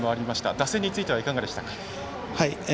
打線についてはいかがでしたか？